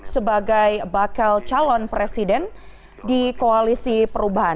sebagai bakal calon presiden di koalisi perubahan